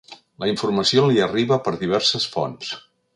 La informació li arriba per diverses fonts.